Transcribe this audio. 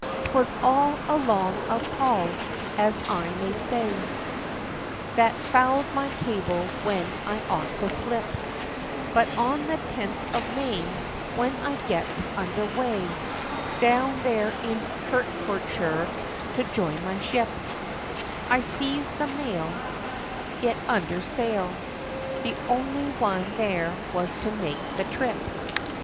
'Twas all along of Poll, as I may say, That foul'd my cable when I ought to slip; But on the tenth of May, When I gets under weigh, Down there in Hertfordshire, to join my ship, I sees the mail Get under sail, The only one there was to make the trip.